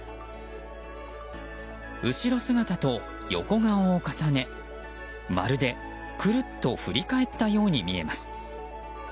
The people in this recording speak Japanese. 後ろ姿と横顔を重ねまるで、くるっと振り返ったように見えます。